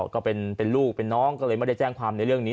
ก็เป็นลูกเป็นน้องก็เลยไม่ได้แจ้งความในเรื่องนี้